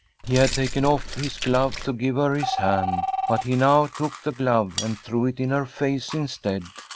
He had taken off his glove to give her his hand ; but he now took the glove and threw it in her face instead.